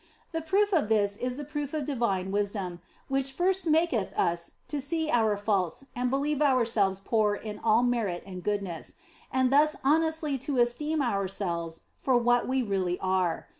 The proof of this is the proof of divine wisdom, which first maketh us to see our faults and believe ourselves poor in all merit and goodness, and thus honestly to esteem ourselves for what we really are.